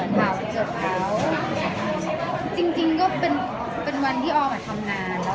ก็นิดนึงนะคือไม่ได้กดดัดใครกดดัดเขา